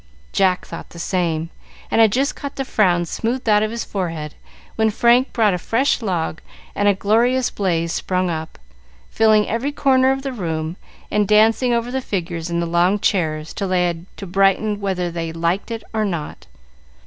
Jack thought the same, and had just got the frown smoothed out of his forehead, when Frank brought a fresh log, and a glorious blaze sprung up, filling every corner of the room, and dancing over the figures in the long chairs till they had to brighten whether they liked it or not.